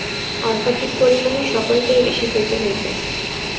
অল্পাধিক পরিমাণে সকলকেই ঋষি হইতে হইবে।